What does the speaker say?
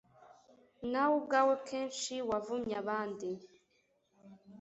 nawe ubwawe kenshi wavumye abandi